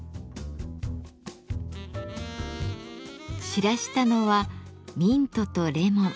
散らしたのはミントとレモン。